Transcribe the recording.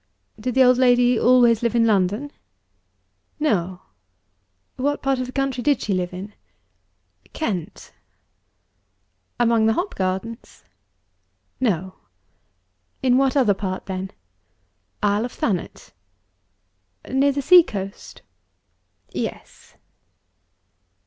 "Did the old lady always live in London?" "No." "What part of the country did she live in?" "Kent." "Among the hop gardens?" "No." "In what other part, then?" "Isle of Thanet." "Near the sea coast?" "Yes."